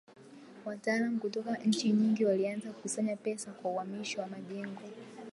Wataalamu kutoka nchi nyingi walianza kukusanya pesa kwa uhamisho wa majengo.